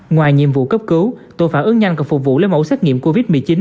ngoài nhiệm vụ cấp cứu tội phản ứng nhanh còn phục vụ lấy mẫu xét nghiệm covid một mươi chín